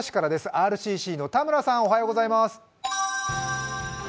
ＲＣＣの田村さん、おはようございます。